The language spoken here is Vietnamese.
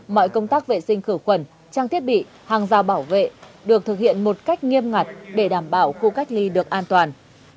mọi công tác vệ sinh khử khuẩn trang thiết bị hàng giao bảo vệ được thực hiện một cách nghiêm ngặt để đảm bảo khu cách ly được an toàn